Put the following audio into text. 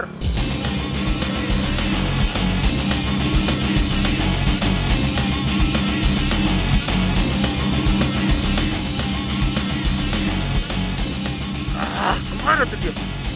kemaren tuh dia